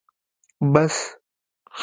🚍 بس